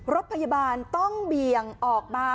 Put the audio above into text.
รถพยาบาลต้องเบี่ยงออกมา